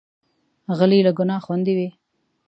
غلی، له ګناه خوندي وي.